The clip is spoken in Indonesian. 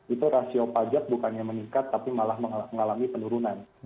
itu rasio pajak bukannya meningkat tapi malah mengalami penurunan